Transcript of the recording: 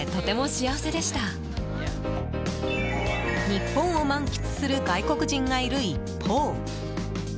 日本を満喫する外国人がいる一方。